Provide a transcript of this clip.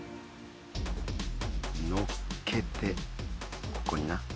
のっけてここにな。